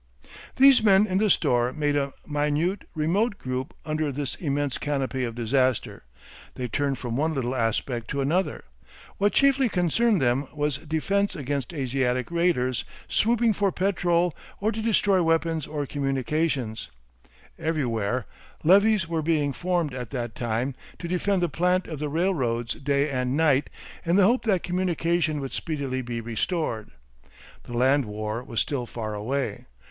These men in the store made a minute, remote group under this immense canopy of disaster. They turned from one little aspect to another. What chiefly concerned them was defence against Asiatic raiders swooping for petrol or to destroy weapons or communications. Everywhere levies were being formed at that time to defend the plant of the railroads day and night in the hope that communication would speedily be restored. The land war was still far away.